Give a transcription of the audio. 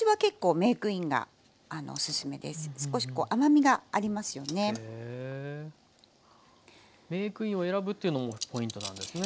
メークインを選ぶっていうのもポイントなんですね。